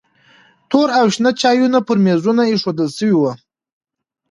تور او شنه چایونه پر میزونو ایښودل شوي وو.